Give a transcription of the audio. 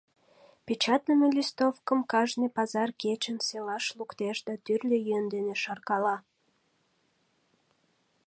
Печатлыме листовкым кажне пазар кечын селаш луктеш да тӱрлӧ йӧн дене шаркала.